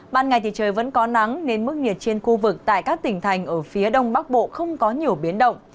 ban ngày thì trời vẫn có nắng nên mức nhiệt trên khu vực tại các tỉnh thành ở phía đông bắc bộ không có nhiều biến động